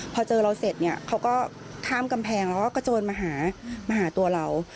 พอเจอเราเสร็จเนี่ยเขาก็ข้ามกำแพงแล้วก็กระโจนมาหามาหาตัวเรา